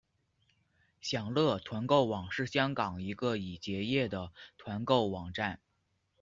享乐团购网是香港一个已结业的团购网站。